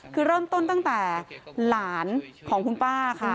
คือเริ่มต้นตั้งแต่หลานของคุณป้าค่ะ